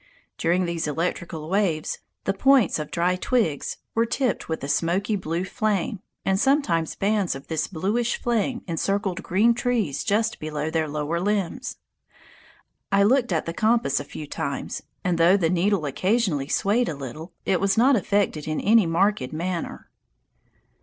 During these electrical waves, the points of dry twigs were tipped with a smoky blue flame, and sometimes bands of this bluish flame encircled green trees just below their lower limbs. I looked at the compass a few times, and though the needle occasionally swayed a little, it was not affected in any marked manner.